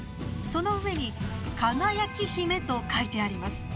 その上に「輝姫」と書いてあります。